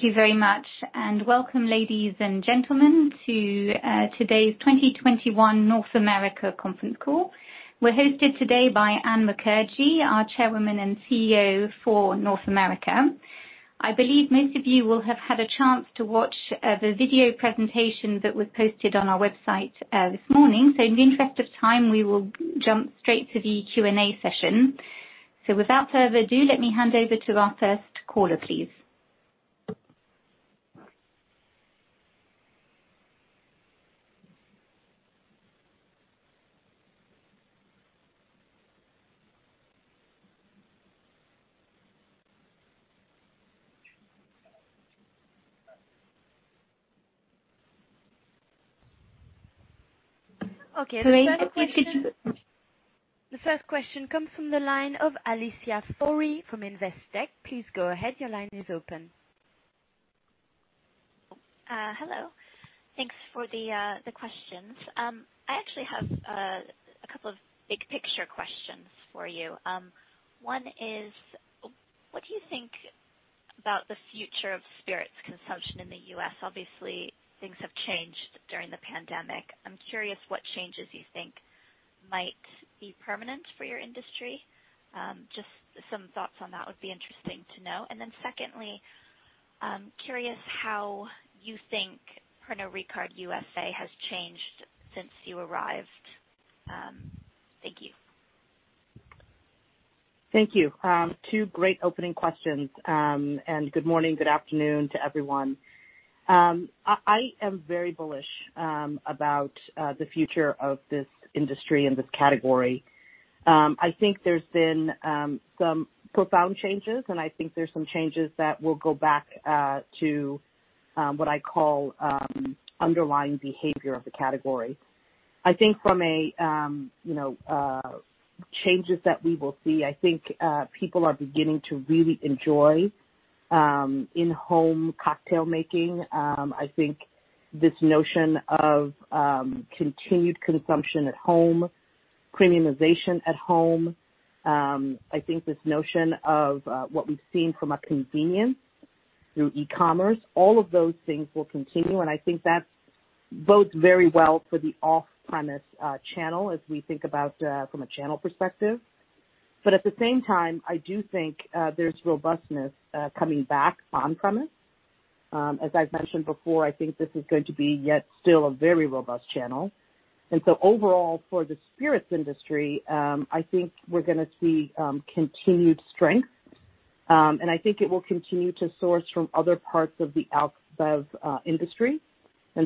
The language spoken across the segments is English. Thank you very much, welcome, ladies and gentlemen, to today's 2021 North America conference call. We're hosted today by Ann Mukherjee, our Chairman and CEO for North America. I believe most of you will have had a chance to watch the video presentation that was posted on our website this morning. In the interest of time, we will jump straight to the Q&A session. Without further ado, let me hand over to our first caller, please. Okay. The first question comes from the line of Alicia Forry from Investec. Please go ahead. Your line is open. Hello. Thanks for the questions. I actually have a couple of big-picture questions for you. One is, what do you think about the future of spirits consumption in the U.S.? Obviously, things have changed during the pandemic. I'm curious what changes you think might be permanent for your industry. Just some thoughts on that would be interesting to know. Secondly, curious how you think Pernod Ricard USA has changed since you arrived. Thank you. Thank you. Two great opening questions. Good morning, good afternoon to everyone. I am very bullish about the future of this industry and this category. I think there has been some profound changes, and I think there are some changes that will go back to what I call underlying behavior of the category. I think from changes that we will see, I think people are beginning to really enjoy in-home cocktail making. I think this notion of continued consumption at home, premiumization at home. I think this notion of what we have seen from a convenience through e-commerce, all of those things will continue, and I think that bodes very well for the off-premise channel, as we think about from a channel perspective. At the same time, I do think there is robustness coming back on-premise. As I've mentioned before, I think this is going to be yet still a very robust channel. Overall, for the spirits industry, I think we're going to see continued strength, and I think it will continue to source from other parts of the bev industry.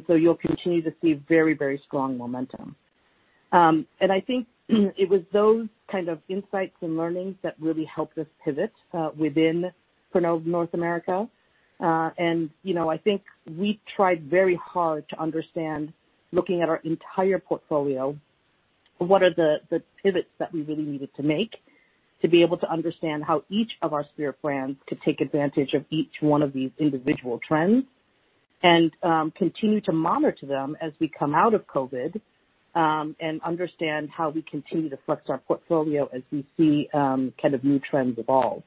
You'll continue to see very strong momentum. I think it was those kind of insights and learnings that really helped us pivot within Pernod North America. I think we tried very hard to understand, looking at our entire portfolio, what are the pivots that we really needed to make to be able to understand how each of our spirit brands could take advantage of each one of these individual trends, and continue to monitor them as we come out of COVID, and understand how we continue to flex our portfolio as we see new trends evolve.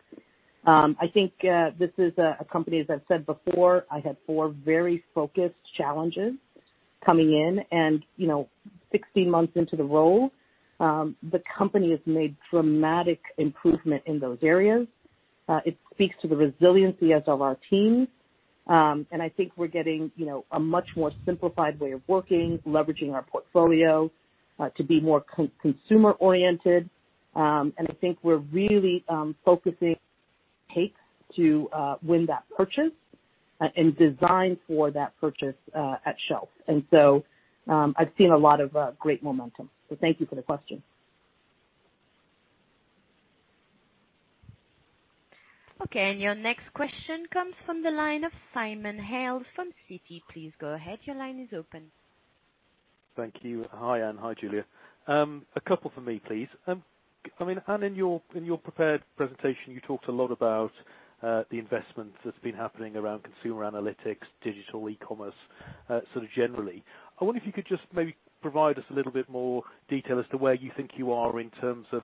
I think this is a company, as I've said before, I had four very focused challenges coming in. 16 months into the role, the company has made dramatic improvement in those areas. It speaks to the resiliency as of our team. I think we're getting a much more simplified way of working, leveraging our portfolio to be more consumer-oriented. I think we're really focusing takes to win that purchase, and design for that purchase at shelf. I've seen a lot of great momentum. Thank you for the question. Okay. Your next question comes from the line of Simon Hales from Citi. Please go ahead. Your line is open. Thank you. Hi, Ann. Hi, Julia. A couple from me, please. Ann, in your prepared presentation, you talked a lot about the investment that's been happening around consumer analytics, digital e-commerce, sort of generally. I wonder if you could just maybe provide us a little bit more detail as to where you think you are in terms of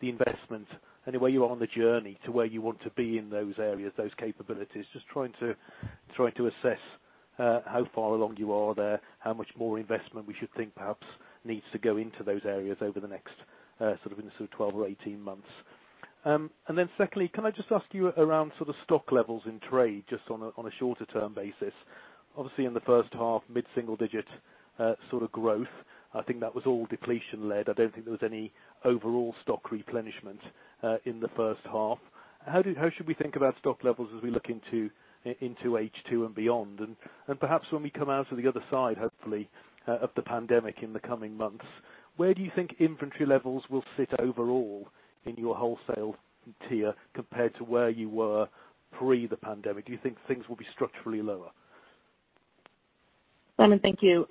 the investment, and where you are on the journey to where you want to be in those areas, those capabilities. Just trying to assess how far along you are there, how much more investment we should think perhaps needs to go into those areas over the next 12 or 18 months. Secondly, can I just ask you around stock levels in trade, just on a shorter term basis. Obviously, in the first half, mid-single digit growth. I think that was all depletion led. I don't think there was any overall stock replenishment in the first half. How should we think about stock levels as we look into H2 and beyond? Perhaps when we come out to the other side, hopefully, of the pandemic in the coming months, where do you think inventory levels will sit overall in your wholesale tier compared to where you were pre the pandemic? Do you think things will be structurally lower? Simon, thank you.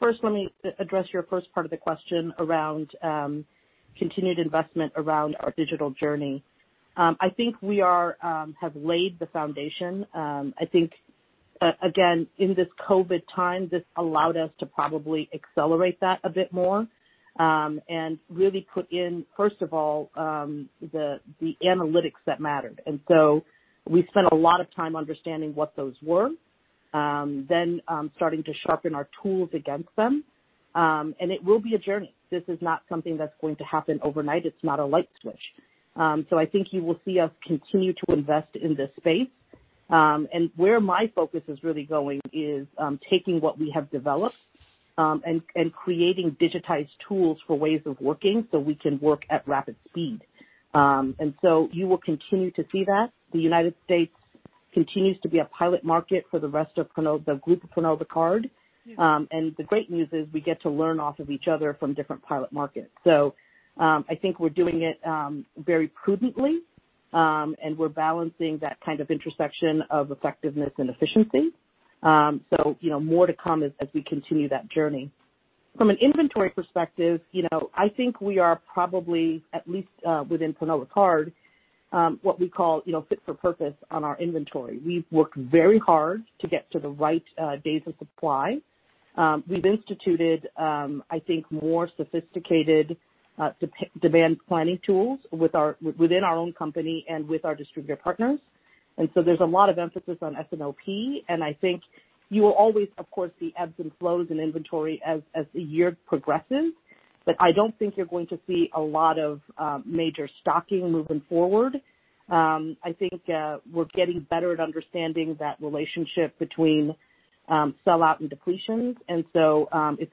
First, let me address your first part of the question around continued investment around our digital journey. I think we have laid the foundation. I think again, in this COVID time, this allowed us to probably accelerate that a bit more, and really put in, first of all, the analytics that mattered. We spent a lot of time understanding what those were, then starting to sharpen our tools against them. It will be a journey. This is not something that's going to happen overnight. It's not a light switch. I think you will see us continue to invest in this space. Where my focus is really going is taking what we have developed, and creating digitized tools for ways of working so we can work at rapid speed. You will continue to see that. The United States continues to be a pilot market for the rest of the group of Pernod Ricard. The great news is we get to learn off of each other from different pilot markets. I think we're doing it very prudently, and we're balancing that kind of intersection of effectiveness and efficiency. More to come as we continue that journey. From an inventory perspective, I think we are probably, at least within Pernod Ricard, what we call fit for purpose on our inventory. We've worked very hard to get to the right days of supply. We've instituted, I think, more sophisticated demand planning tools within our own company and with our distributor partners. There's a lot of emphasis on S&OP, and I think you will always, of course, see ebbs and flows in inventory as the year progresses. I don't think you're going to see a lot of major stocking moving forward. I think we're getting better at understanding that relationship between sellout and depletions. It's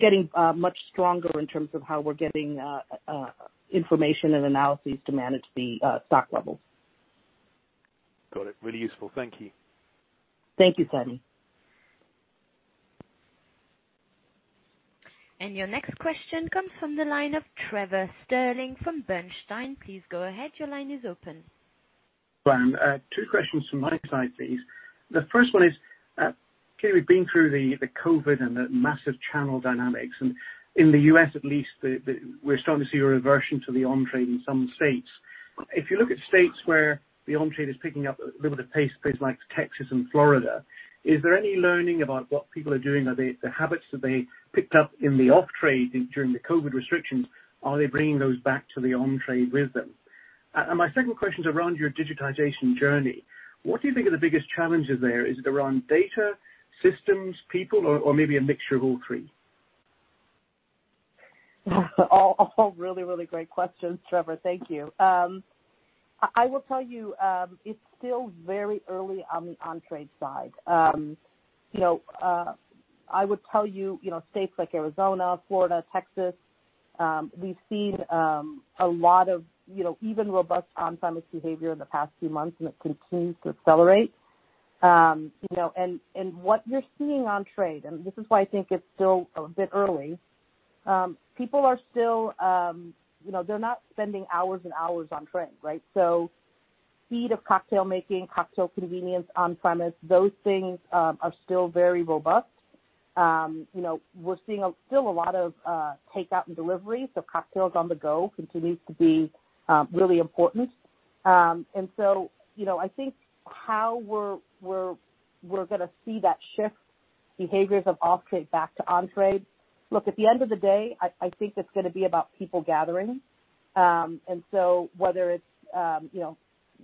getting much stronger in terms of how we're getting information and analyses to manage the stock levels. Got it. Really useful. Thank you. Thank you, Simon. Your next question comes from the line of Trevor Stirling from Bernstein. Please go ahead. Your line is open. Hi. Two questions from my side, please. The first one is, clearly we've been through the COVID and the massive channel dynamics. In the U.S. at least, we're starting to see a reversion to the on-trade in some states. If you look at states where the on-trade is picking up a little bit of pace, places like Texas and Florida, is there any learning about what people are doing? Are the habits that they picked up in the off-trade during the COVID restrictions, are they bringing those back to the on-trade with them? My second question is around your digitization journey. What do you think are the biggest challenges there? Is it around data, systems, people, or maybe a mixture of all three? All really great questions, Trevor. Thank you. I will tell you, it's still very early on the on-trade side. I would tell you, states like Arizona, Florida, Texas, we've seen a lot of even robust on-premise behavior in the past few months, and it continues to accelerate. What you're seeing on-trade, and this is why I think it's still a bit early, people are still, they're not spending hours and hours on-trade, right? Speed of cocktail making, cocktail convenience on-premise, those things are still very robust. We're seeing still a lot of takeout and delivery. Cocktails on the go continues to be really important. I think how we're gonna see that shift behaviors of off-trade back to on-trade. Look, at the end of the day, I think it's gonna be about people gathering. Whether it's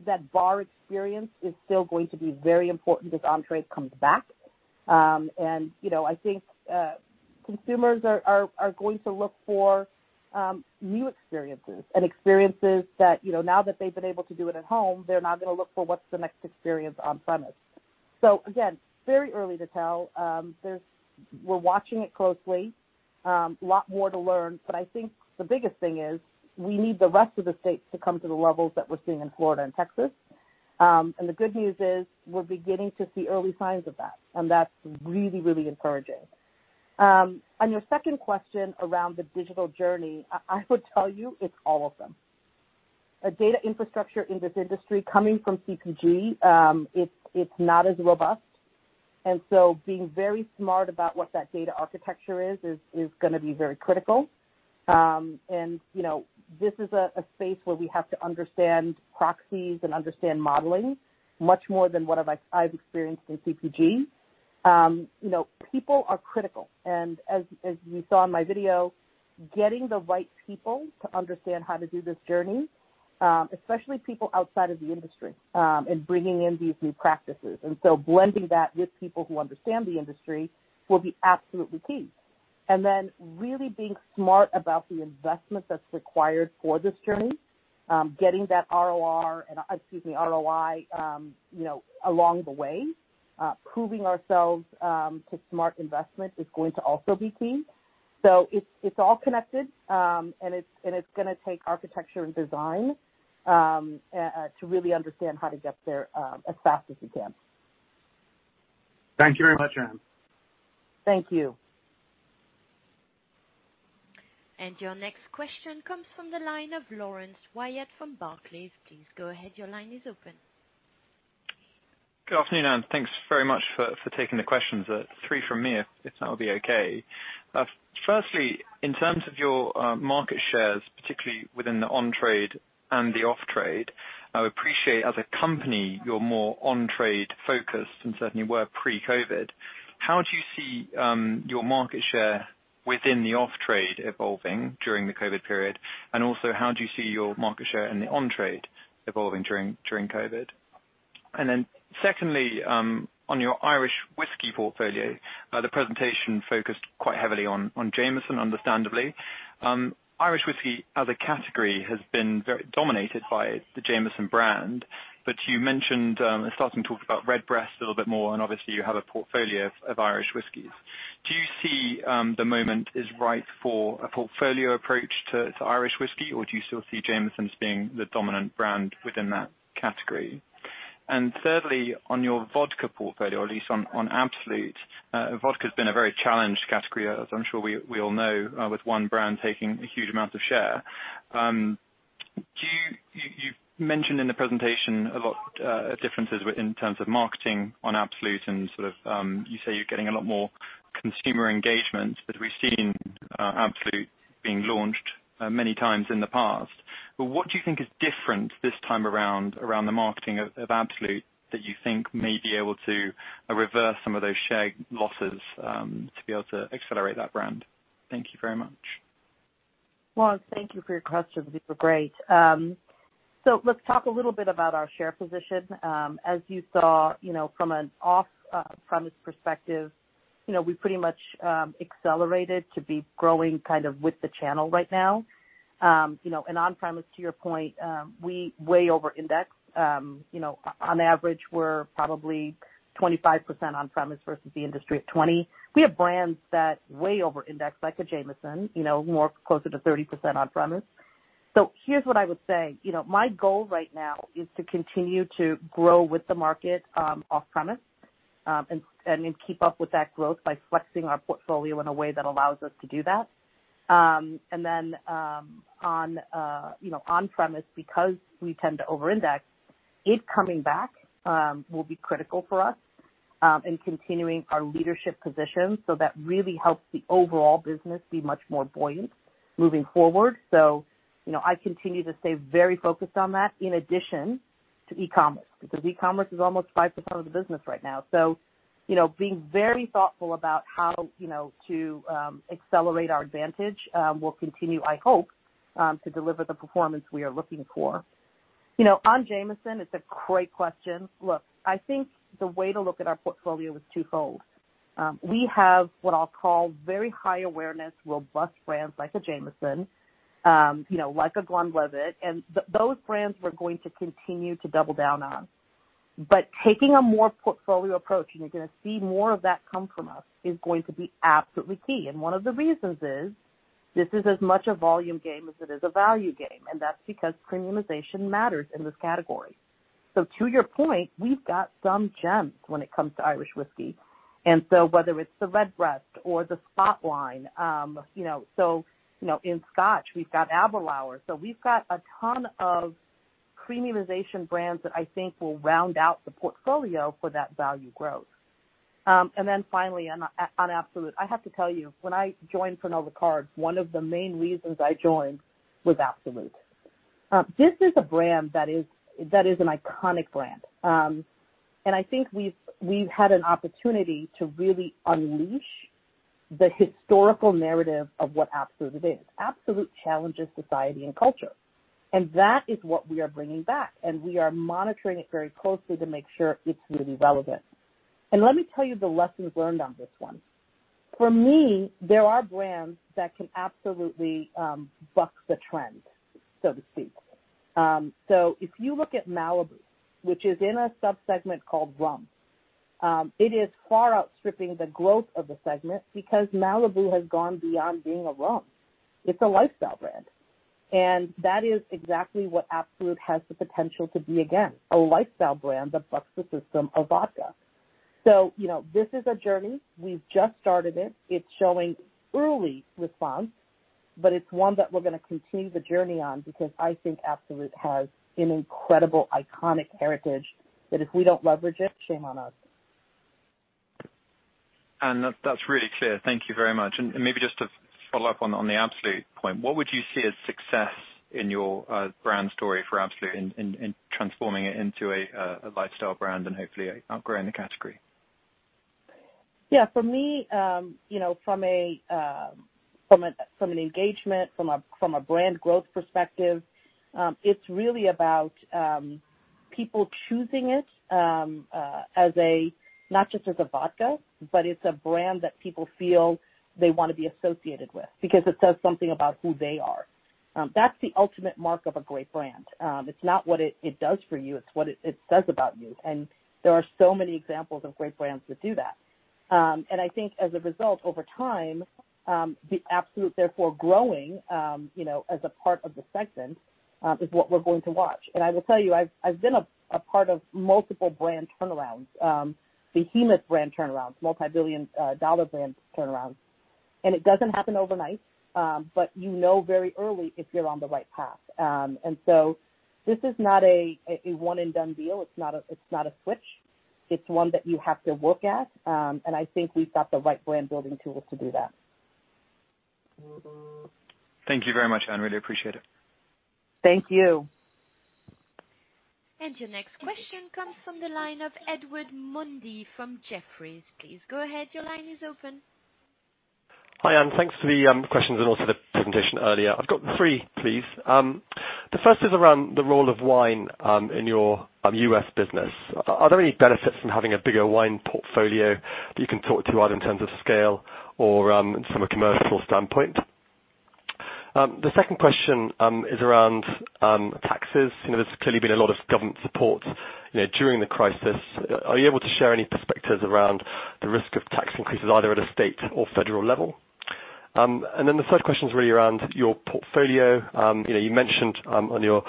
that bar experience is still going to be very important as on-trade comes back. I think consumers are going to look for new experiences and experiences that, now that they've been able to do it at home, they're now going to look for what's the next experience on-premise. Again, very early to tell. We're watching it closely. A lot more to learn, but I think the biggest thing is we need the rest of the states to come to the levels that we're seeing in Florida and Texas. The good news is we're beginning to see early signs of that, and that's really encouraging. On your second question around the digital journey, I would tell you it's all of them. A data infrastructure in this industry coming from CPG, it's not as robust. Being very smart about what that data architecture is gonna be very critical. This is a space where we have to understand proxies and understand modeling much more than what I've experienced in CPG. People are critical, and as you saw in my video, getting the right people to understand how to do this journey, especially people outside of the industry, and bringing in these new practices, and so blending that with people who understand the industry will be absolutely key. Really being smart about the investment that's required for this journey. Getting that ROR, excuse me, ROI along the way. Proving ourselves to smart investment is going to also be key. It's all connected, and it's gonna take architecture and design to really understand how to get there as fast as we can. Thank you very much, Ann. Thank you. Your next question comes from the line of Laurence Whyatt from Barclays. Please go ahead. Your line is open. Good afternoon, and thanks very much for taking the questions. Three from me, if that will be okay. In terms of your market shares, particularly within the on-trade and the off-trade, I would appreciate as a company, you're more on-trade focused than you certainly were pre-COVID. How do you see your market share within the off-trade evolving during the COVID period? How do you see your market share in the on-trade evolving during COVID? Secondly, on your Irish whiskey portfolio, the presentation focused quite heavily on Jameson, understandably. Irish whiskey as a category has been very dominated by the Jameson brand. You mentioned starting to talk about Redbreast a little bit more, and obviously you have a portfolio of Irish whiskeys. Do you see the moment is right for a portfolio approach to Irish whiskey, or do you still see Jameson as being the dominant brand within that category? Thirdly, on your vodka portfolio, at least on Absolut. Vodka has been a very challenged category, as I'm sure we all know, with one brand taking a huge amount of share. You mentioned in the presentation a lot of differences in terms of marketing on Absolut and you say you're getting a lot more consumer engagement. We've seen Absolut being launched many times in the past. What do you think is different this time around the marketing of Absolut, that you think may be able to reverse some of those share losses, to be able to accelerate that brand? Thank you very much. Laurence, thank you for your questions. These were great. Let's talk a little bit about our share position. As you saw from an off-premise perspective, we pretty much accelerated to be growing with the channel right now. On-premise, to your point, we way over index. On average, we're probably 25% on-premise versus the industry of 20%. We have brands that way over index like a Jameson, more closer to 30% on-premise. Here's what I would say. My goal right now is to continue to grow with the market off-premise, keep up with that growth by flexing our portfolio in a way that allows us to do that. On-premise, because we tend to over-index, it coming back will be critical for us in continuing our leadership position. That really helps the overall business be much more buoyant moving forward. I continue to stay very focused on that, in addition to e-commerce, because e-commerce is almost 5% of the business right now. Being very thoughtful about how to accelerate our advantage will continue, I hope, to deliver the performance we are looking for. On Jameson, it's a great question. Look, I think the way to look at our portfolio is twofold. We have what I'll call very high awareness, robust brands like a Jameson, like a Glenlivet, and those brands we're going to continue to double down on. Taking a more portfolio approach, and you're going to see more of that come from us, is going to be absolutely key. One of the reasons is, this is as much a volume game as it is a value game, and that's because premiumization matters in this category. To your point, we've got some gems when it comes to Irish whiskey. Whether it's the Redbreast or the Spot line. In Scotch, we've got Aberlour. We've got a ton of premiumization brands that I think will round out the portfolio for that value growth. Finally, on Absolut. I have to tell you, when I joined Pernod Ricard, one of the main reasons I joined was Absolut. This is a brand that is an iconic brand. I think we've had an opportunity to really unleash the historical narrative of what Absolut is. Absolut challenges society and culture, and that is what we are bringing back, and we are monitoring it very closely to make sure it's really relevant. Let me tell you the lessons learned on this one. For me, there are brands that can absolutely buck the trend, so to speak. If you look at Malibu, which is in a sub-segment called rum. It is far outstripping the growth of the segment because Malibu has gone beyond being a rum. It's a lifestyle brand, and that is exactly what Absolut has the potential to be again, a lifestyle brand that bucks the system of vodka. This is a journey. We've just started it. It's showing early response, but it's one that we're going to continue the journey on because I think Absolut has an incredible, iconic heritage that if we don't leverage it, shame on us. That's really clear. Thank you very much. Maybe just to follow up on the Absolut point, what would you see as success in your brand story for Absolut in transforming it into a lifestyle brand and hopefully outgrowing the category? Yeah, for me, from an engagement, from a brand growth perspective, it's really about people choosing it not just as a vodka, but it's a brand that people feel they want to be associated with because it says something about who they are. That's the ultimate mark of a great brand. It's not what it does for you, it's what it says about you. There are so many examples of great brands that do that. I think as a result, over time, Absolut therefore growing, as a part of the segment, is what we're going to watch. I will tell you, I've been a part of multiple brand turnarounds, behemoth brand turnarounds, multi-billion dollar brand turnarounds. It doesn't happen overnight, but you know very early if you're on the right path. This is not a one-and-done deal. It's not a switch. It's one that you have to work at, and I think we've got the right brand building tools to do that. Thank you very much, Ann. Really appreciate it. Thank you. Your next question comes from the line of Edward Mundy from Jefferies. Please go ahead. Your line is open. Hi, Ann. Thanks for the questions and also the presentation earlier. I've got three, please. The first is around the role of wine in your U.S. business. Are there any benefits from having a bigger wine portfolio that you can talk to, either in terms of scale or from a commercial standpoint? The second question is around taxes. There's clearly been a lot of government support during the crisis. Are you able to share any perspectives around the risk of tax increases, either at a state or federal level? The third question is really around your portfolio. You mentioned on your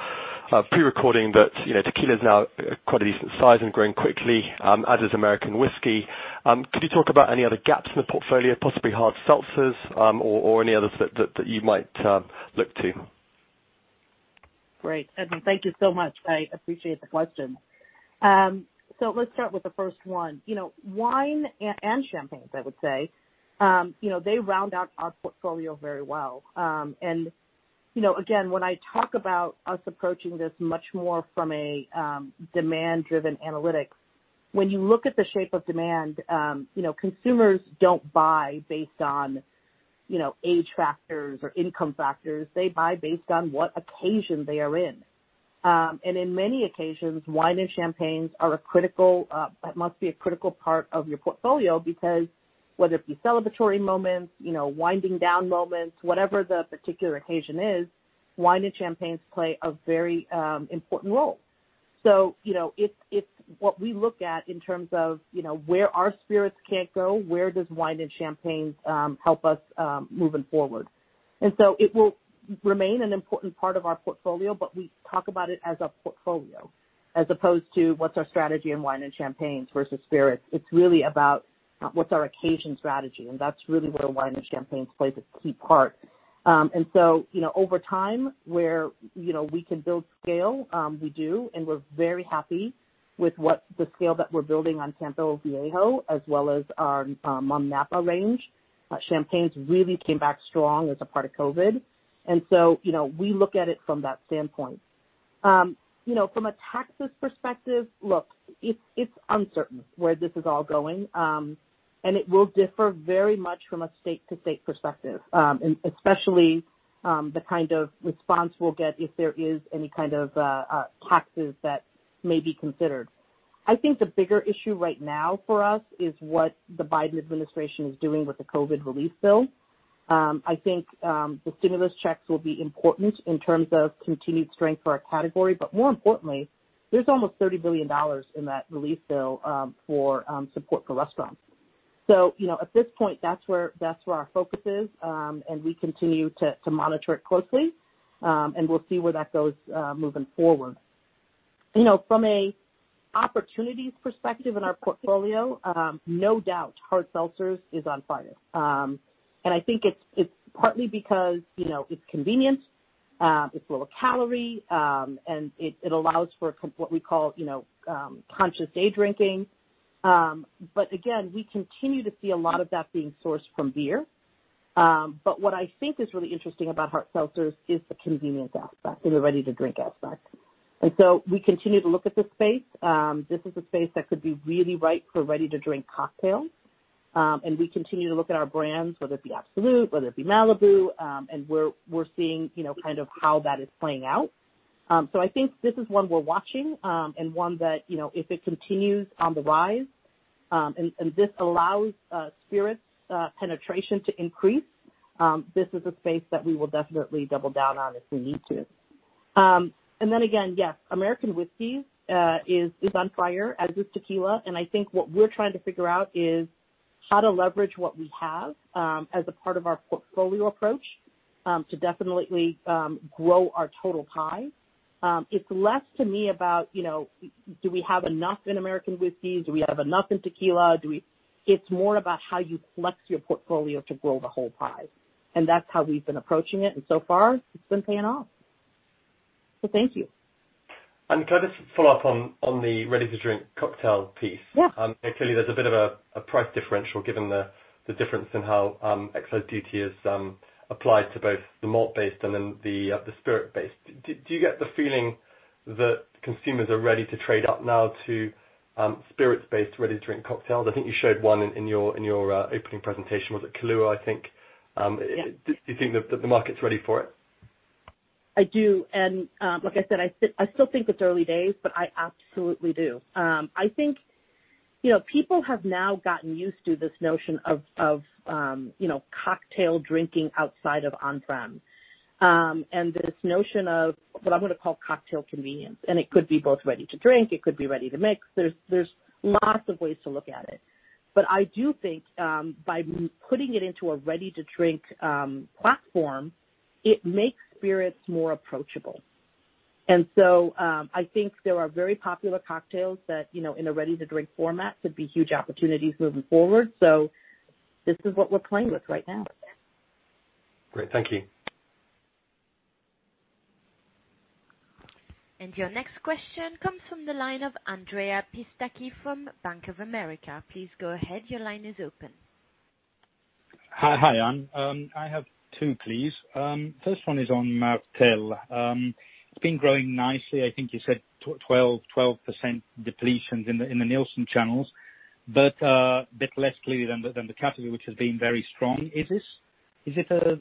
pre-recording that tequila is now quite a decent size and growing quickly, as is American whiskey. Could you talk about any other gaps in the portfolio, possibly hard seltzers or any others that you might look to? Great, Edward. Thank you so much. I appreciate the questions. Let's start with the first one. Wine and champagnes, I would say, they round out our portfolio very well. Again, when I talk about us approaching this much more from a demand-driven analytics, when you look at the shape of demand, consumers don't buy based on age factors or income factors. They buy based on what occasion they are in. In many occasions, wine and champagnes must be a critical part of your portfolio. Whether it be celebratory moments, winding down moments, whatever the particular occasion is, wine and champagnes play a very important role. It's what we look at in terms of where our spirits can't go, where does wine and champagnes help us moving forward. It will remain an important part of our portfolio, but we talk about it as a portfolio as opposed to what's our strategy in wine and champagnes versus spirits. It's really about what's our occasion strategy, and that's really where wine and champagnes play the key part. Over time, where we can build scale, we do, and we're very happy with what the scale that we're building on Campo Viejo as well as our Mumm Napa range. Champagnes really came back strong as a part of COVID. We look at it from that standpoint. From a taxes perspective, look, it's uncertain where this is all going. It will differ very much from a state-to-state perspective, and especially the kind of response we'll get if there is any kind of taxes that may be considered. I think the bigger issue right now for us is what the Biden administration is doing with the COVID relief bill. I think the stimulus checks will be important in terms of continued strength for our category, more importantly, there's almost EUR 30 billion in that relief bill for support for restaurants. At this point, that's where our focus is. We continue to monitor it closely, and we'll see where that goes moving forward. From an opportunities perspective in our portfolio, no doubt, hard seltzers is on fire. I think it's partly because it's convenient, it's lower calorie, and it allows for what we call conscious day drinking. Again, we continue to see a lot of that being sourced from beer. What I think is really interesting about hard seltzers is the convenience aspect and the ready-to-drink aspect. We continue to look at this space. This is a space that could be really ripe for ready-to-drink cocktails. We continue to look at our brands, whether it be Absolut, whether it be Malibu, and we're seeing kind of how that is playing out. I think this is one we're watching, and one that if it continues on the rise, and this allows spirits penetration to increase, this is a space that we will definitely double down on if we need to. Again, yes, American whiskey is on fire, as is tequila, and I think what we're trying to figure out is how to leverage what we have as a part of our portfolio approach to definitely grow our total pie. It's less to me about do we have enough in American whiskey? Do we have enough in tequila? It's more about how you flex your portfolio to grow the whole pie. That's how we've been approaching it, and so far, it's been paying off. Thank you. Ann, can I just follow up on the ready-to-drink cocktail piece? Yeah. Clearly, there's a bit of a price differential given the difference in how excise duty is applied to both the malt-based and then the spirit-based. Do you get the feeling that consumers are ready to trade up now to spirits-based ready-to-drink cocktails? I think you showed one in your opening presentation. Was it Kahlúa, I think? Yeah. Do you think that the market's ready for it? I do, and like I said, I still think it's early days, but I absolutely do. I think people have now gotten used to this notion of cocktail drinking outside of on-prem, and this notion of what I'm going to call cocktail convenience. It could be both ready-to-drink. It could be ready-to-mix. There's lots of ways to look at it. I do think by putting it into a ready-to-drink platform, it makes spirits more approachable. I think there are very popular cocktails that, in a ready-to-drink format, could be huge opportunities moving forward. This is what we're playing with right now. Great. Thank you. Your next question comes from the line of Andrea Pistacchi from Bank of America. Please go ahead. Your line is open. Hi, Ann. I have two, please. First one is on Martell. It's been growing nicely. I think you said 12% depletions in the Nielsen channels, a bit less clearly than the category, which has been very strong. Is it a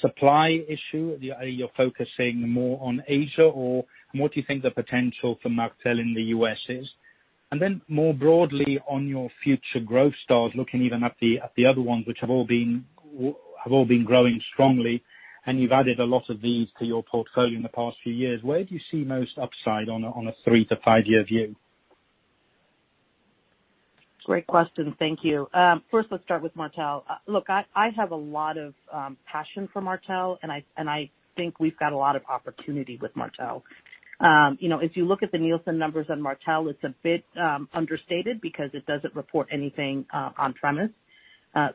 supply issue? Are you focusing more on Asia, or what do you think the potential for Martell in the U.S. is? More broadly, on your future growth stars, looking even at the other ones, which have all been growing strongly, and you've added a lot of these to your portfolio in the past few years, where do you see most upside on a three-to-five-year view? Great question. Thank you. First, let's start with Martell. Look, I have a lot of passion for Martell, and I think we've got a lot of opportunity with Martell. If you look at the Nielsen numbers on Martell, it's a bit understated because it doesn't report anything on premise.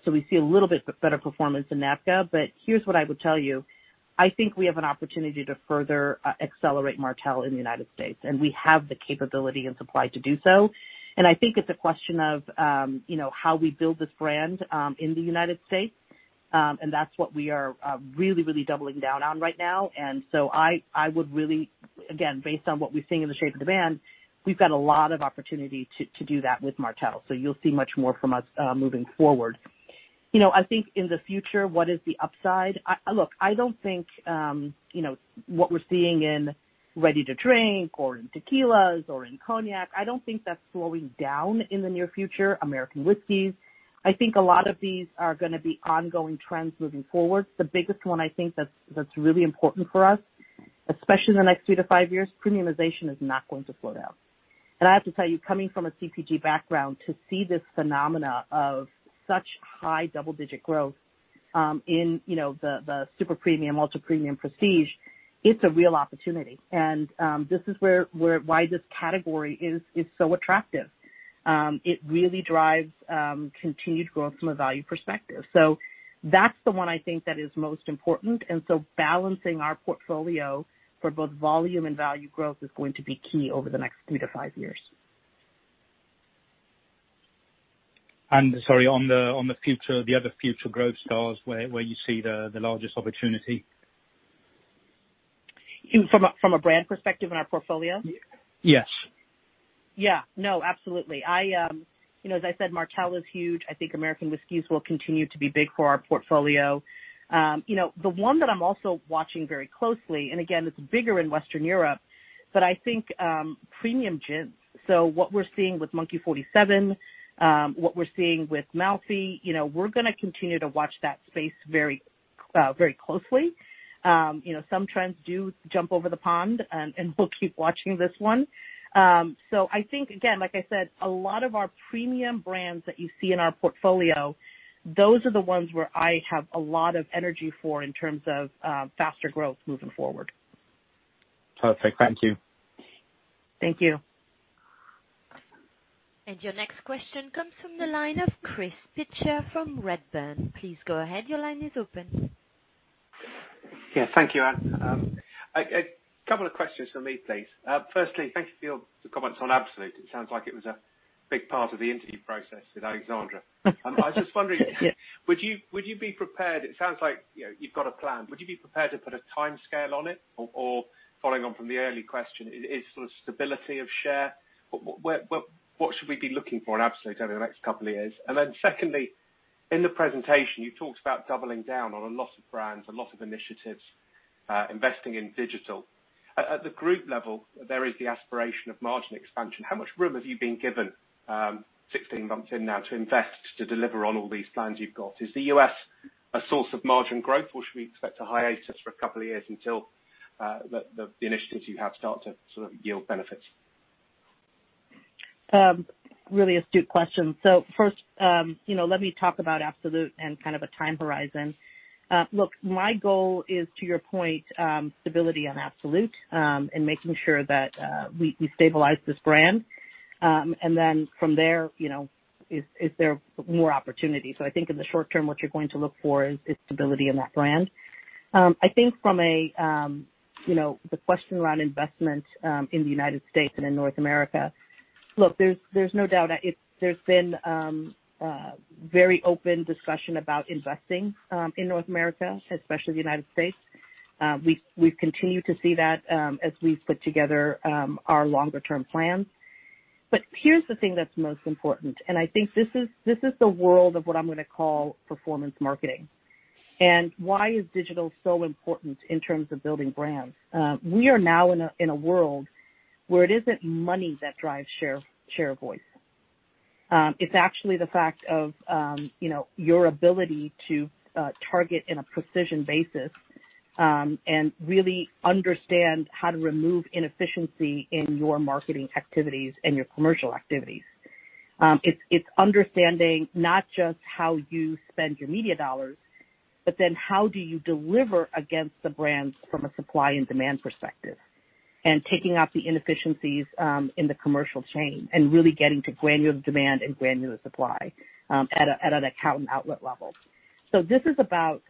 We see a little bit better performance in NABCA. Here's what I would tell you. I think we have an opportunity to further accelerate Martell in the United States, and we have the capability and supply to do so. I think it's a question of how we build this brand, in the United States, and that's what we are really, really doubling down on right now. I would really, again, based on what we're seeing in the shape of demand, we've got a lot of opportunity to do that with Martell. You'll see much more from us moving forward. I think in the future, what is the upside? Look, I don't think what we're seeing in ready-to-drink or in tequilas or in cognac, I don't think that's slowing down in the near future. American whiskeys. I think a lot of these are going to be ongoing trends moving forward. The biggest one, I think that's really important for us, especially in the next three to five years, premiumization is not going to slow down. I have to tell you, coming from a CPG background, to see this phenomenon of such high double-digit growth in the super premium, ultra premium prestige, it's a real opportunity. This is why this category is so attractive. It really drives continued growth from a value perspective. That's the one I think that is most important. Balancing our portfolio for both volume and value growth is going to be key over the next three to five years. Sorry, on the other future growth stars, where you see the largest opportunity? From a brand perspective in our portfolio? Yes. Yeah. No, absolutely. As I said, Martell is huge. I think American whiskeys will continue to be big for our portfolio. The one that I'm also watching very closely, again, it's bigger in Western Europe, I think premium gins. What we're seeing with Monkey 47, what we're seeing with Malfy, we're going to continue to watch that space very closely. Some trends do jump over the pond, we'll keep watching this one. I think, again, like I said, a lot of our premium brands that you see in our portfolio, those are the ones where I have a lot of energy for in terms of faster growth moving forward. Perfect. Thank you. Thank you. Your next question comes from the line of Chris Pitcher from Redburn. Please go ahead. Your line is open. Yeah. Thank you, Ann. A couple of questions from me, please. Firstly, thank you for your comments on Absolut. It sounds like it was a big part of the interview process with Alexandre. I was just wondering, It sounds like you've got a plan. Would you be prepared to put a timescale on it? Following on from the earlier question, is stability of share, what should we be looking for in Absolut over the next couple of years? Secondly, in the presentation, you talked about doubling down on a lot of brands, a lot of initiatives, investing in digital. At the group level, there is the aspiration of margin expansion. How much room have you been given, 16 months in now, to invest to deliver on all these plans you've got? Is the U.S. a source of margin growth, or should we expect a hiatus for a couple of years until the initiatives you have start to sort of yield benefits? Really astute question. First, let me talk about Absolut and kind of a time horizon. Look, my goal is, to your point, stability on Absolut, and making sure that we stabilize this brand. Then from there, is there more opportunity? I think in the short term, what you're going to look for is stability in that brand. I think from the question around investment in the United States and in North America, look, there's no doubt there's been very open discussion about investing in North America, especially the United States. We've continued to see that as we've put together our longer-term plans. Here's the thing that's most important, and I think this is the world of what I'm going to call performance marketing. Why is digital so important in terms of building brands? We are now in a world where it isn't money that drives share voice. It's actually the fact of your ability to target in a precision basis, and really understand how to remove inefficiency in your marketing activities and your commercial activities. It's understanding not just how you spend your media dollars, but then how do you deliver against the brands from a supply and demand perspective, and taking out the inefficiencies in the commercial chain and really getting to granular demand and granular supply at an account and outlet level. This is about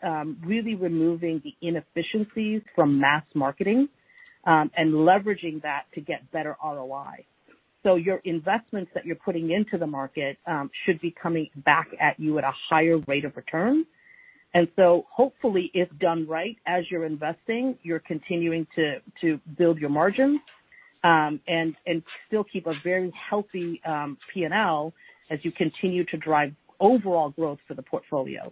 really removing the inefficiencies from mass marketing and leveraging that to get better ROI. Your investments that you're putting into the market should be coming back at you at a higher rate of return. Hopefully, if done right, as you're investing, you're continuing to build your margins, and still keep a very healthy P&L as you continue to drive overall growth for the portfolio.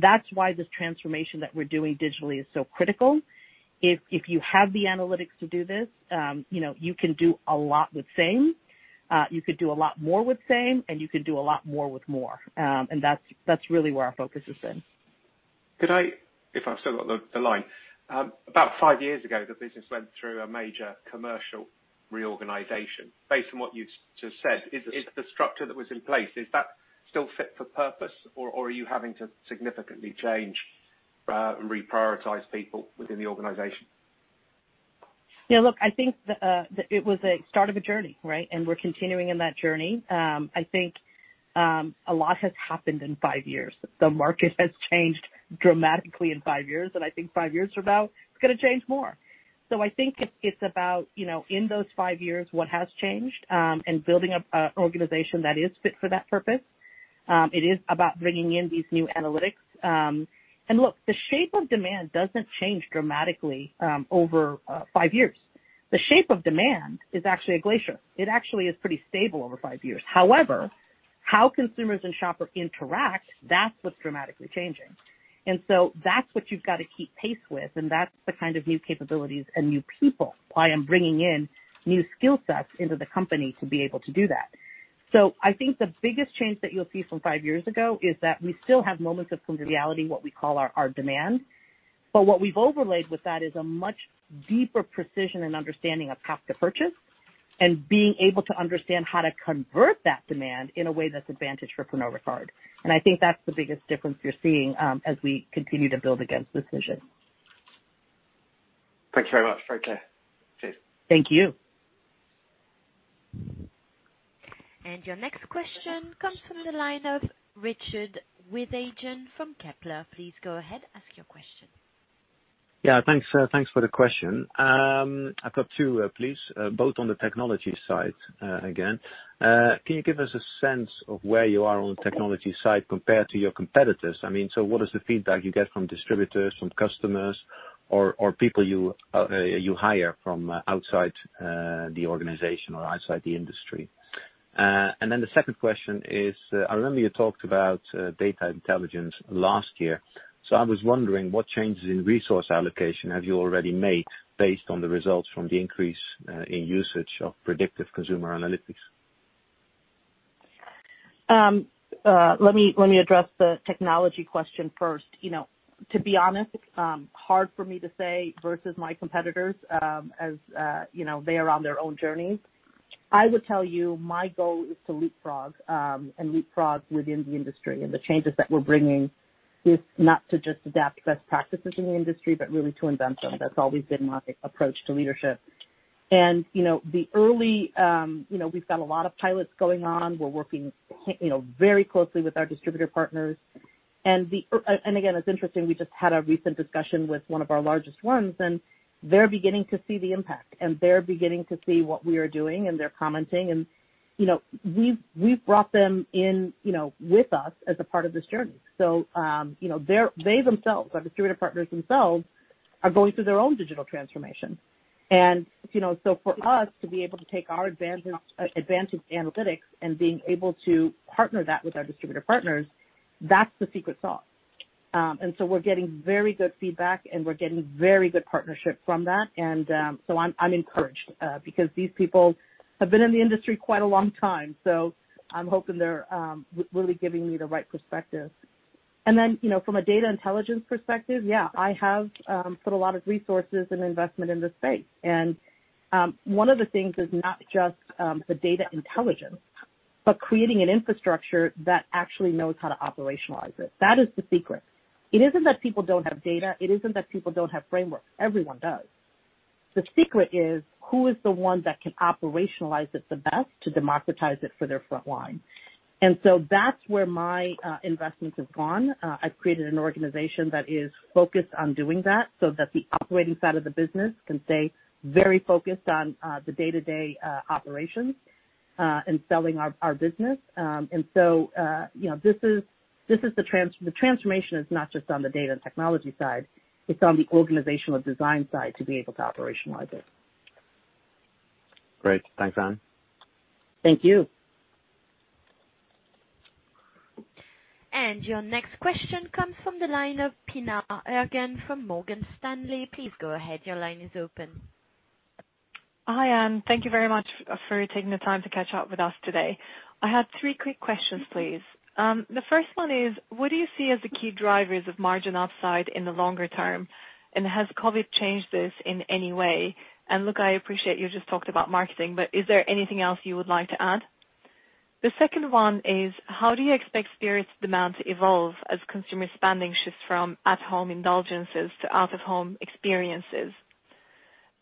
That's why this transformation that we're doing digitally is so critical. If you have the analytics to do this, you can do a lot with same, you could do a lot more with same, and you can do a lot more with more. That's really where our focus is in. Could I, if I've still got the line. About five years ago, the business went through a major commercial reorganization. Based on what you've just said, is the structure that was in place, does that still fit for purpose, or are you having to significantly change and reprioritize people within the organization? Yeah, look, I think it was a start of a journey, right? We're continuing in that journey. I think a lot has happened in five years. The market has changed dramatically in five years, and I think five years from now, it's going to change more. I think it's about, in those five years, what has changed, and building up an organization that is fit for that purpose. It is about bringing in these new analytics. Look, the shape of demand doesn't change dramatically over five years. The shape of demand is actually a glacier. It actually is pretty stable over five years. However, how consumers and shoppers interact, that's what's dramatically changing. That's what you've got to keep pace with, and that's the kind of new capabilities and new people. Why I'm bringing in new skill sets into the company to be able to do that. I think the biggest change that you'll see from five years ago is that we still have moments of consumer reality, what we call our demand. What we've overlaid with that is a much deeper precision and understanding of path to purchase, and being able to understand how to convert that demand in a way that's advantage for Pernod Ricard. I think that's the biggest difference you're seeing as we continue to build against this vision. Thank you very much. Okay. Cheers. Thank you. Your next question comes from the line of Richard Withagen from Kepler. Please go ahead, ask your question. Yeah. Thanks for the question. I've got two, please, both on the technology side again. Can you give us a sense of where you are on the technology side compared to your competitors? I mean, what is the feedback you get from distributors, from customers or people you hire from outside the organization or outside the industry? The second question is, I remember you talked about data intelligence last year. I was wondering what changes in resource allocation have you already made based on the results from the increase in usage of predictive consumer analytics? Let me address the technology question first. To be honest, hard for me to say versus my competitors, as they are on their own journeys. I would tell you my goal is to leapfrog, and leapfrog within the industry. The changes that we're bringing is not to just adapt best practices in the industry, but really to invent them. That's always been my approach to leadership. We've got a lot of pilots going on. We're working very closely with our distributor partners. Again, it's interesting, we just had a recent discussion with one of our largest ones, and they're beginning to see the impact, and they're beginning to see what we are doing, and they're commenting. We've brought them in with us as a part of this journey. They themselves, our distributor partners themselves, are going through their own digital transformation. For us to be able to take our advantage analytics and being able to partner that with our distributor partners, that's the secret sauce. We're getting very good feedback, and we're getting very good partnership from that. I'm encouraged, because these people have been in the industry quite a long time, so I'm hoping they're really giving me the right perspective. From a data intelligence perspective, yeah, I have put a lot of resources and investment in this space. One of the things is not just the data intelligence, but creating an infrastructure that actually knows how to operationalize it. That is the secret. It isn't that people don't have data. It isn't that people don't have frameworks. Everyone does. The secret is who is the one that can operationalize it the best to democratize it for their front line. That's where my investments have gone. I've created an organization that is focused on doing that, so that the operating side of the business can stay very focused on the day-to-day operations and selling our business. The transformation is not just on the data and technology side, it's on the organizational design side to be able to operationalize it. Great. Thanks, Ann. Thank you. Your next question comes from the line of Pinar Ergun from Morgan Stanley. Please go ahead. Your line is open. Hi, Ann. Thank you very much for taking the time to catch up with us today. I had three quick questions, please. The first one is: What do you see as the key drivers of margin upside in the longer term, and has COVID changed this in any way? Look, I appreciate you just talked about marketing, but is there anything else you would like to add? The second one is, how do you expect spirits demand to evolve as consumer spending shifts from at-home indulgences to out-of-home experiences?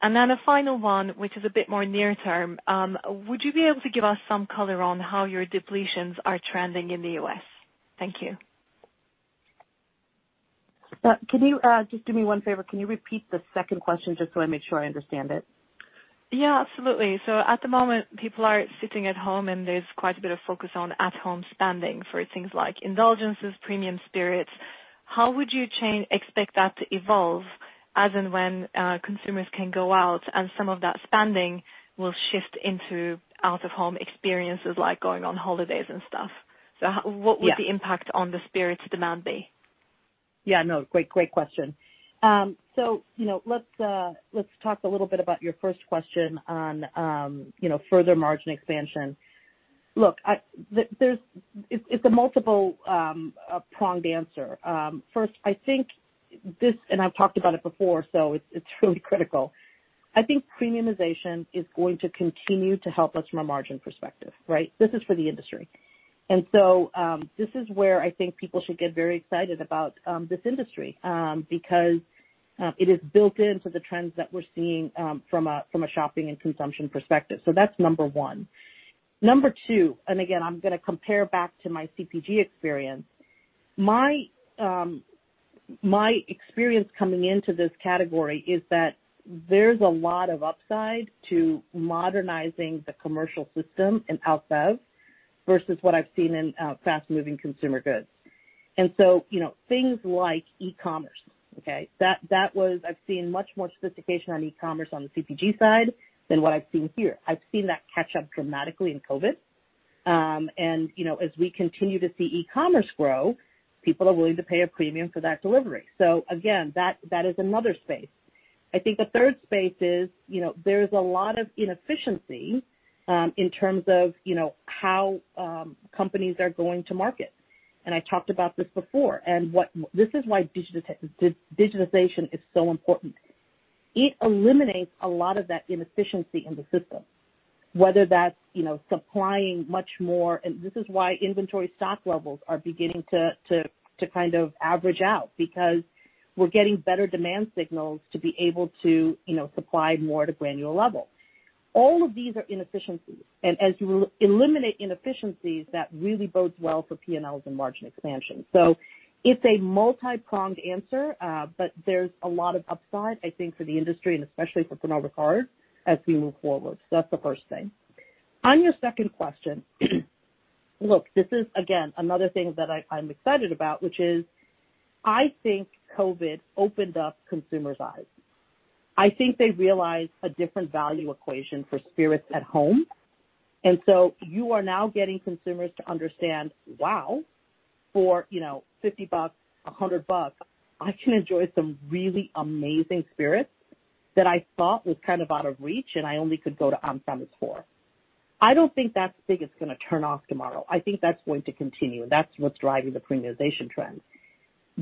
A final one, which is a bit more near term. Would you be able to give us some color on how your depletions are trending in the U.S.? Thank you. Can you just do me one favor? Can you repeat the second question just so I make sure I understand it? Yeah, absolutely. At the moment, people are sitting at home, and there's quite a bit of focus on at-home spending for things like indulgences, premium spirits. How would you expect that to evolve as and when consumers can go out and some of that spending will shift into out-of-home experiences like going on holidays and stuff? What would the impact on the spirits demand be? Yeah, no, great question. Let's talk a little bit about your first question on further margin expansion. First, I think this. I've talked about it before, it's really critical. I think premiumization is going to continue to help us from a margin perspective, right? This is for the industry. This is where I think people should get very excited about this industry, because it is built into the trends that we're seeing from a shopping and consumption perspective. That's number one. Number two, again, I'm going to compare back to my CPG experience. My experience coming into this category is that there's a lot of upside to modernizing the commercial system in alc bev versus what I've seen in fast-moving consumer goods. Things like e-commerce, okay? I've seen much more sophistication on e-commerce on the CPG side than what I've seen here. I've seen that catch up dramatically in COVID. As we continue to see e-commerce grow, people are willing to pay a premium for that delivery. Again, that is another space. I think the third space is, there's a lot of inefficiency in terms of how companies are going to market. I talked about this before. This is why digitalization is so important. It eliminates a lot of that inefficiency in the system. This is why inventory stock levels are beginning to kind of average out, because we're getting better demand signals to be able to supply more at a granular level. All of these are inefficiencies, and as you eliminate inefficiencies, that really bodes well for P&Ls and margin expansion. It's a multi-pronged answer. There's a lot of upside, I think, for the industry and especially for Pernod Ricard as we move forward. That's the first thing. On your second question, look, this is, again, another thing that I'm excited about, which is, I think COVID opened up consumers' eyes. I think they realize a different value equation for spirits at home. You are now getting consumers to understand, wow, for $50, $100, I can enjoy some really amazing spirits that I thought was kind of out of reach, and I only could go to on-premise for. I don't think that thing is going to turn off tomorrow. I think that's going to continue, and that's what's driving the premiumization trend.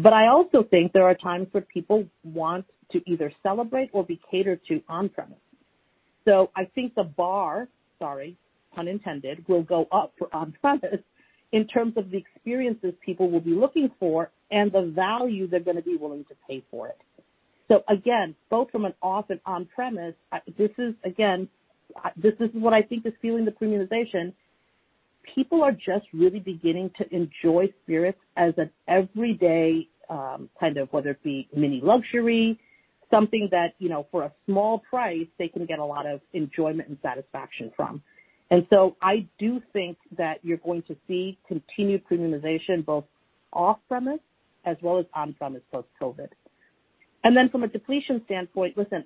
I also think there are times where people want to either celebrate or be catered to on-premise. I think the bar, sorry, pun intended, will go up for on-premise in terms of the experiences people will be looking for and the value they're going to be willing to pay for it. Again, both from an off- and on-premise, this is what I think is fueling the premiumization. People are just really beginning to enjoy spirits as an everyday, kind of, whether it be mini luxury, something that for a small price, they can get a lot of enjoyment and satisfaction from. I do think that you're going to see continued premiumization, both off-premise as well as on-premise post-COVID. From a depletion standpoint, listen,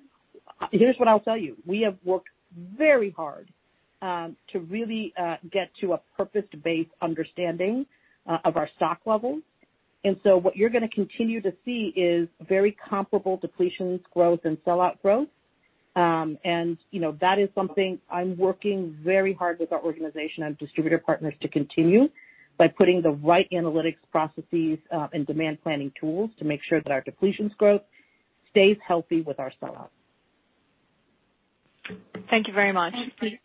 here's what I'll tell you. We have worked very hard to really get to a purpose-based understanding of our stock levels. What you're going to continue to see is very comparable depletions growth and sellout growth. That is something I'm working very hard with our organization and distributor partners to continue by putting the right analytics processes and demand planning tools to make sure that our depletions growth stays healthy with our sell-outs. Thank you very much. Thank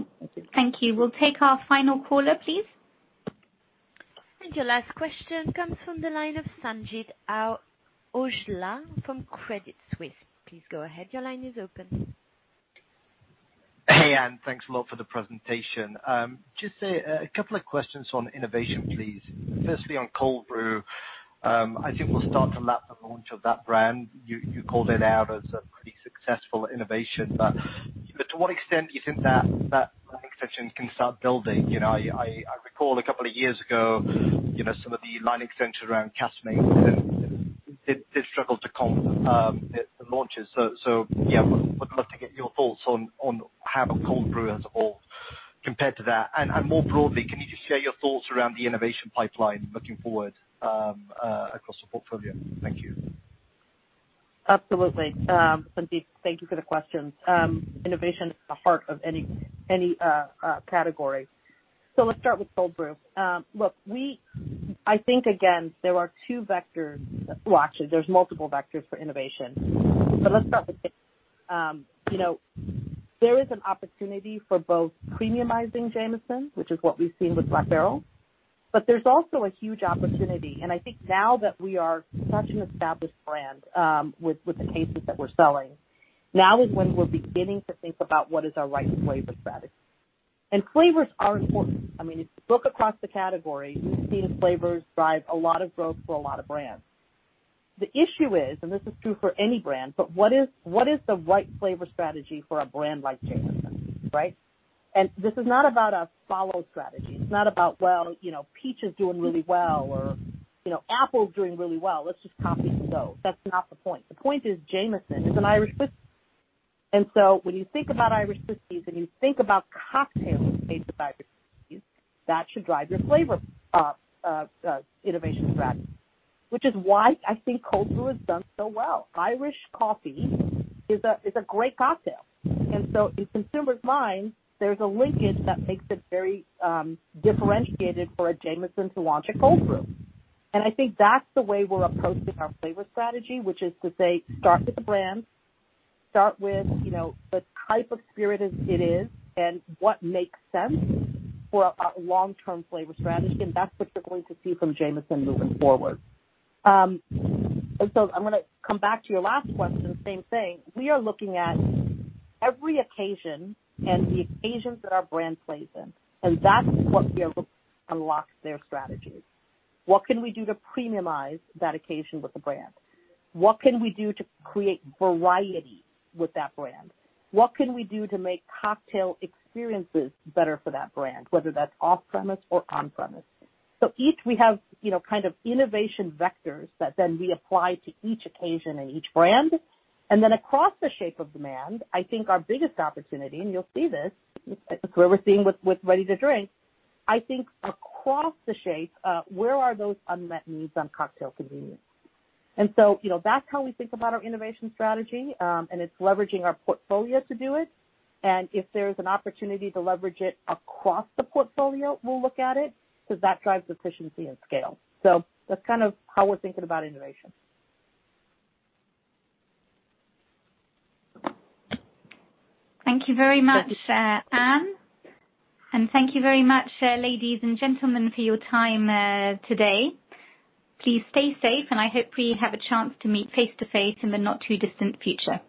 you. Thank you. We'll take our final caller, please. Your last question comes from the line of Sanjeet Aujla from Credit Suisse. Please go ahead. Hey, Ann. Thanks a lot for the presentation. Just a couple of questions on innovation, please. Firstly, on Cold Brew. I think we'll start to lap the launch of that brand. You called it out as a pretty successful innovation, but to what extent do you think that extension can start building? I recall a couple of years ago, some of the line extension around Caskmates did struggle to comp the launches. Yeah, would love to get your thoughts on how Cold Brew has compared to that. More broadly, can you just share your thoughts around the innovation pipeline looking forward across the portfolio? Thank you. Absolutely. Sanjeet, thank you for the questions. Innovation is the heart of any category. Let's start with Cold Brew. Look, I think, again, there are two vectors. Well, actually there's multiple vectors for innovation. There is an opportunity for both premiumizing Jameson, which is what we've seen with Black Barrel, but there's also a huge opportunity, and I think now that we are such an established brand with the cases that we're selling, now is when we're beginning to think about what is our right flavor strategy. Flavors are important. If you look across the category, you've seen flavors drive a lot of growth for a lot of brands. The issue is, and this is true for any brand, but what is the right flavor strategy for a brand like Jameson? Right? This is not about a follow strategy. It's not about, well, peach is doing really well, or apple's doing really well. Let's just copy those. That's not the point. The point is, Jameson is an Irish whiskey. When you think about Irish whiskeys and you think about cocktails made with Irish whiskeys, that should drive your flavor innovation strategy, which is why I think cold brew has done so well. Irish coffee is a great cocktail, and so in consumers' minds, there's a linkage that makes it very differentiated for a Jameson to launch a cold brew. I think that's the way we're approaching our flavor strategy, which is to say, start with the brand, start with the type of spirit it is and what makes sense for a long-term flavor strategy, and that's what you're going to see from Jameson moving forward. I'm going to come back to your last question. Same thing. We are looking at every occasion and the occasions that our brand plays in, and that's what we are looking to unlock their strategies. What can we do to premiumize that occasion with the brand? What can we do to create variety with that brand? What can we do to make cocktail experiences better for that brand, whether that's off-premise or on-premise? Each, we have kind of innovation vectors that then we apply to each occasion and each brand. Across the shape of demand, I think our biggest opportunity, and you'll see this, it's what we're seeing with ready-to-drink, I think across the shape, where are those unmet needs on cocktail convenience? That's how we think about our innovation strategy, and it's leveraging our portfolio to do it. If there's an opportunity to leverage it across the portfolio, we'll look at it, because that drives efficiency and scale. That's kind of how we're thinking about innovation. Thank you very much, Ann. Thank you very much, ladies and gentlemen, for your time today. Please stay safe, and I hope we have a chance to meet face-to-face in the not-too-distant future.